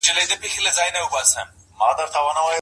زه به اوږده موده د کور کتابونه ترتيب کړي وم.